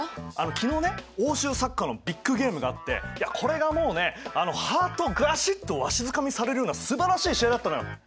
昨日ね欧州サッカーのビッグゲームがあってこれがもうねハートをガシッとわしづかみされるようなすばらしい試合だったのよ！